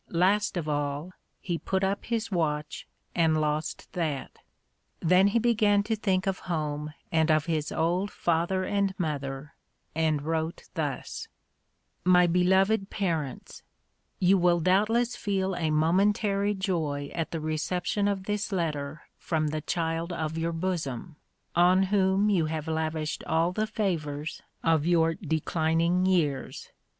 Last of all he put up his watch and lost that. Then he began to think of home and of his old father and mother, and wrote thus: "MY BELOVED PARENTS: You will doubtless feel a momentary joy at the reception of this letter from the child of your bosom, on whom you have lavished all the favors of your declining years.